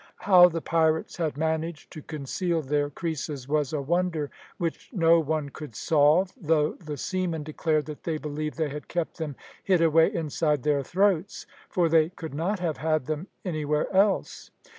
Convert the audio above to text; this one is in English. How the pirates had managed to conceal their creeses was a wonder which no one could solve, though the seamen declared that they believed they had kept them hid away inside their throats, for they could not have had them anywhere else.